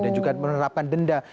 dan juga menerapkan denda